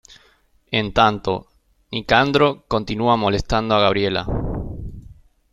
En tanto, Nicandro continúa molestando a Gabriela.